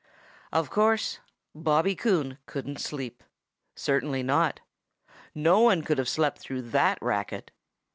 Of course, Bobby Coon couldn't sleep. Certainly not. No one could have slept through that racket.